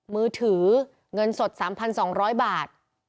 มือถือเงินสด๓๒๐๐บาท